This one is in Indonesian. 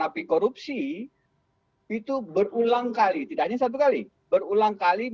tiga n dari tego pstes proff sensible dan tiga n dari tego constit lainnya